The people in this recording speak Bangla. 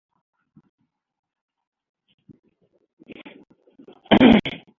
রাষ্ট্রের নির্বাহী ক্ষমতা তার উপর ন্যস্ত।